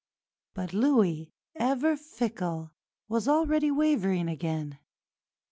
But Louis, ever fickle, was already wavering again.